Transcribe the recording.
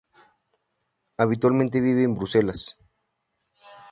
Habitualmente vive en Bruselas.